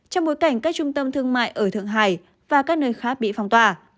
trong bối cảnh các trung tâm thương mại ở thượng hải và các nơi khác bị phong tỏa